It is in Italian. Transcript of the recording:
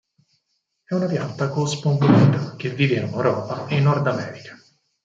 È una pianta cosmopolita, che vive in Europa e in Nord America.